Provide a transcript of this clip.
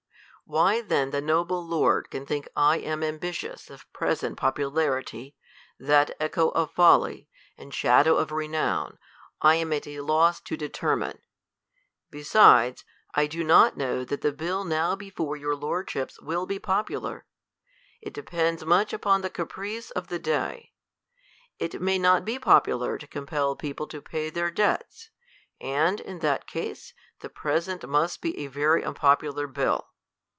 Why then the noble lord can think I am ambitious of present popularity, that echo of folly, and shadow of renown, I am at a loss to determine. Besides, I do not knov/ that the bill now before your lordships will , be popular. It depends much upon the caprice of the day. It may not be popular to compel people to pay their debts ; and, in that case^ the present must be a very unpopular bill.